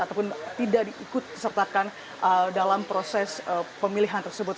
ataupun tidak diikut sertakan dalam proses pemilihan tersebut